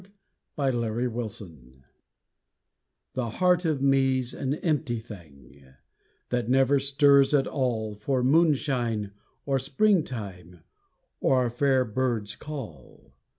_ THE GRIEF The heart of me's an empty thing, that never stirs at all For Moon shine or Spring time, or a far bird's call.